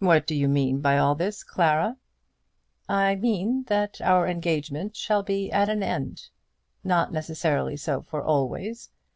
"What do you mean by all this, Clara?" "I mean that our engagement shall be at an end; not necessarily so for always.